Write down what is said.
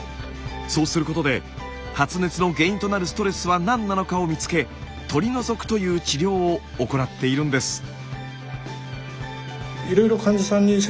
そうすることで発熱の原因となるストレスは何なのかを見つけ取り除くという治療を行っているんです。